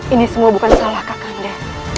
ini semua bukan salah kak kanda